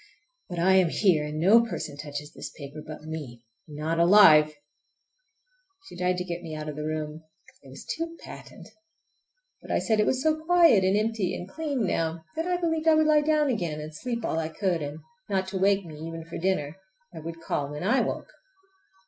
But I am here, and no person touches this paper but me—not alive! She tried to get me out of the room—it was too patent! But I said it was so quiet and empty and clean now that I believed I would lie down again and sleep all I could; and not to wake me even for dinner—I would call when I woke.